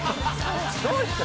「どうした。